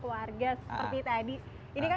keluarga seperti tadi ini kan